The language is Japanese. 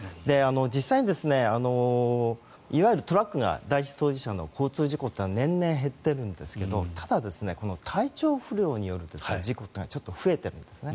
実際にいわゆるトラックによる交通事故というのは年々減っているんですがただ、体調不良による事故というのはちょっと増えているんですね。